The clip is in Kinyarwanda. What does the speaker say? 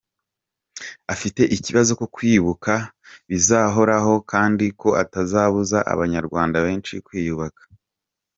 Afite ikibazo ko kwibuka bizahoraho kandi ko atazabuza Abanyarwanda benshi kwiyubaka.